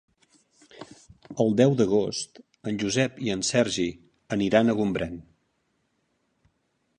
El deu d'agost en Josep i en Sergi aniran a Gombrèn.